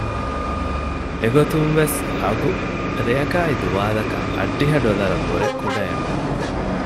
އެގޮތުން ވެސް އަގު ރެއަކާއި ދުވާލަކަށް އަށްޑިހަ ޑޮލަރަށް ވުރެ ކުޑައެއް ނޫން